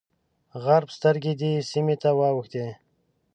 غرب سترګې دې سیمې ته واوښتې.